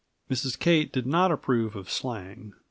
Mrs. Kate did not approve of slang.